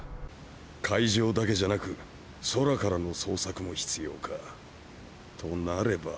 海上だけじゃなく空からの捜索も必要かとなれば